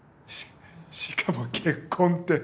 しかも結婚って。